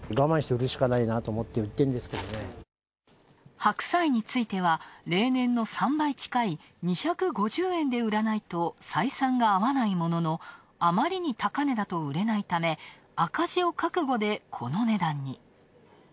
白菜については、例年の３倍近い２５０円で売らないと採算があわないもののあまりに高値だと売れないため、赤字を覚悟でこの値段に。